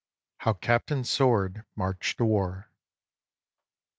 I. HOW CAPTAIN SWORD MARCHED TO WAR.